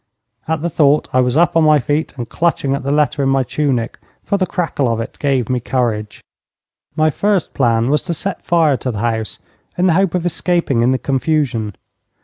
At the thought I was up on my feet and clutching at the letter in my tunic, for the crackle of it gave me courage. My first plan was to set fire to the house, in the hope of escaping in the confusion.